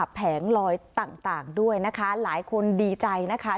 แผงลอยต่างด้วยนะคะหลายคนดีใจนะคะ